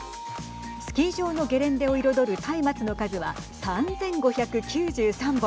スキー場のゲレンデを彩るたいまつの数は３５９３本。